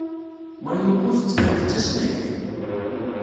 Mayuko tettban-d d tasnagt.